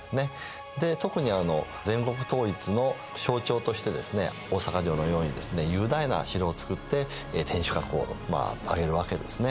で特に全国統一の象徴としてですね大坂城のようにですね雄大な城を造って天守閣をまあ上げるわけですね。